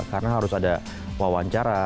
karena harus ada wawancara